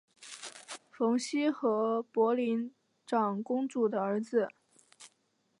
冯熙和博陵长公主的儿子。